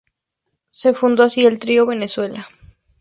Se funda así el Trío Venezuela.